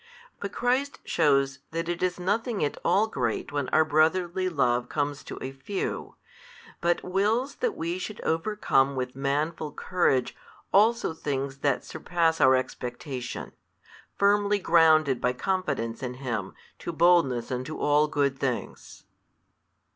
But Christ shews that it is nothing at all great, when our brotherly love comes to a few, but wills that we should overcome with manful courage also things that surpass our expectation, firmly grounded by confidence in Him to boldness unto all good things.